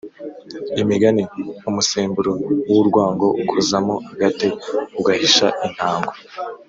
imigani: umusemburo w’urwango ukozamo agate ugahiisha intaango